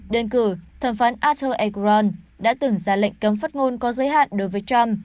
đơn cử thẩm phán arthur a grant đã từng ra lệnh cấm phát ngôn có giới hạn đối với trump